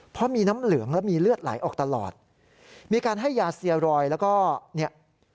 เพราะมีน้ำเหลืองและมีเลือดไหลออกตลอดมีการให้ยาเซียรอยแล้วก็เนี่ย